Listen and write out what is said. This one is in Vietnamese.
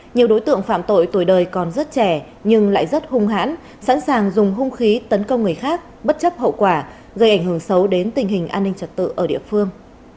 nhiều đối tượng phạm tội tuổi đời còn rất trẻ nhưng lại rất hung hãn sẵn sàng dùng hung khí tấn công người khác bất chấp hậu quả gây ảnh hưởng xấu đến tình hình an ninh trật tự ở địa phương